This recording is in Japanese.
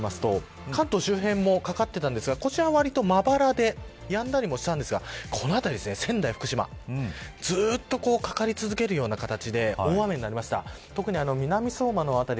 昨日からの雨雲を動かしていくと関東周辺もかかっていたんですがこちらはまばらでやんだりもしたんですがこの辺り、仙台、福島ずっとかかり続けるような形で大雨になりました。